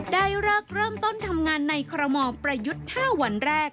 ได้เลิกเริ่มต้นทำงานในคอรมอลประยุทธ์๕วันแรก